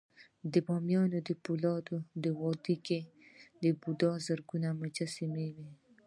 د بامیانو د فولادي وادي کې د بودا زرګونه مجسمې وې